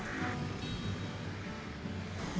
zaki mencari teman yang lebih baik